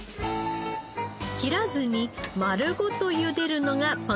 切らずに丸ごとゆでるのがポイント。